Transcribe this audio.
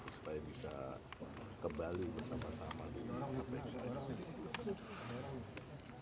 supaya bisa kembali bersama sama di hp